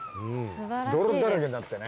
泥だらけになってね。